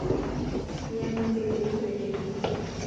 ايا خطي لک ٻيھڻي